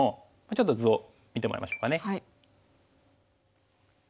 ちょっと図を見てもらいましょうかね。